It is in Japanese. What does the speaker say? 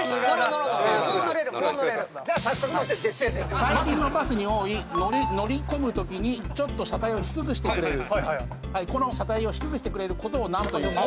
最近のバスに多い乗り込む時にちょっと車体を低くしてくれるこの車体を低くしてくれる事を何と言うでしょう？